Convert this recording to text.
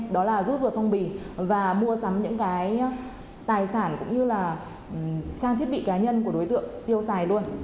đó là rút ruột phong bì và mua sắm những tài sản cũng như trang thiết bị cá nhân của đối tượng tiêu xài luôn